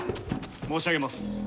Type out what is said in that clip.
申し上げます。